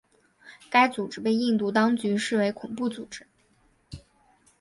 该组织被印度当局视为恐怖组织。